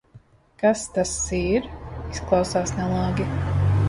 Kas tas ir? Izklausās nelāgi.